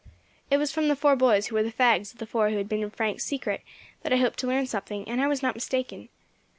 "It was from the four boys who were the fags of the four who had been in Frank's secret that I hoped to learn something, and I was not mistaken.